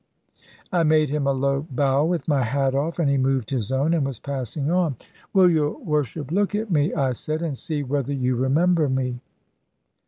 I made him a low bow with my hat off; and he moved his own, and was passing on. "Will your Worship look at me," I said, "and see whether you remember me?"